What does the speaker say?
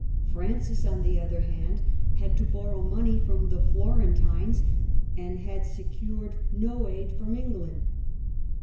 Francis, on the other hand, had to borrow money from the Florentines, and had secured no aid from England.